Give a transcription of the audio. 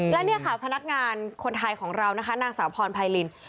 แล้วเนี่ยค่ะพนักงานคนไทยของเรานางสาวพรพายลิน